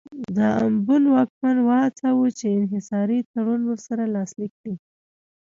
د امبون واکمن وهڅاوه چې انحصاري تړون ورسره لاسلیک کړي.